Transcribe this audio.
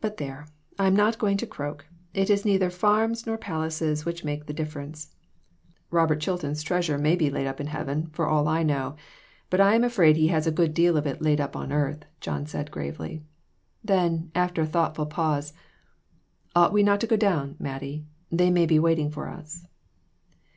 But there, I'm not going to croak; it is neither farms nor palaces which make the difference.'" " Robert Chilton 's treasure maybe laid up in CHARACTER STUDIES. 213 heaven, for all I know, but I am afraid he has a good deal of it laid up on earth," John said, gravely; then, after a thoughtful pause "Ought we not to go down, Mattie ? They may be wait ing for us."